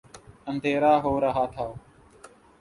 اندھیرا ہو رہا تھا۔